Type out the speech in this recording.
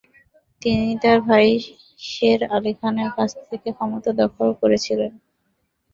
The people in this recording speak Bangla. তিনি তার ভাই শের আলি খানের কাছ থেকে ক্ষমতা দখল করেছিলেন।